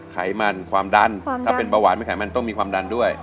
ไขมันความดันถ้าเป็นเบาหวานเป็นไขมันต้องมีความดันด้วย